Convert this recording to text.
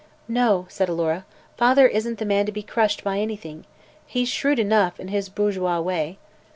"No," said Alora. "Father isn't the man to be crushed by anything. He's shrewd enough, in his bourgeois way.